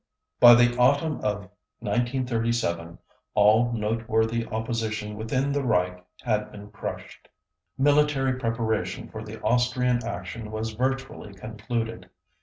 By the autumn of 1937, all noteworthy opposition within the Reich had been crushed. Military preparation for the Austrian action was virtually concluded.